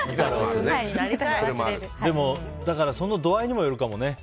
でも、その度合いにもよるかもね。